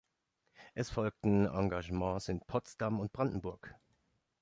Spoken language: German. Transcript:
Es folgten Engagements in Potsdam und Brandenburg.